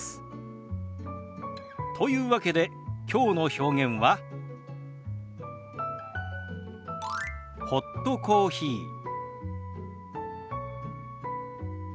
というわけできょうの表現は「ホットコーヒー」。